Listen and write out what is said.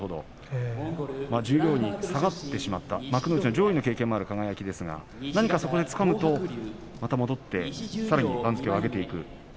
十両に下がってしまった幕内上位の経験もある輝ですが何かそこでつかむとまた戻ってさらに番付を上げていく。